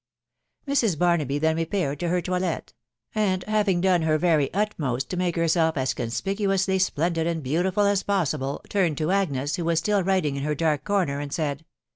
Mrs. Barnaby then repaired to her toilet ; and having done her very utmost to make herself as conspicuously splendid and beautiful as possible, turned to Agnes, who was still writing in her dark corner, and said